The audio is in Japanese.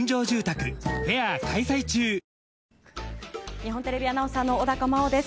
日本テレビアナウンサーの小高茉緒です。